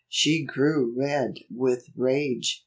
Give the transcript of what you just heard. She grew red with rage.